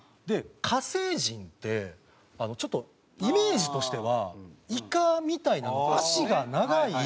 火星人ってちょっとイメージとしてはイカみたいな足が長い。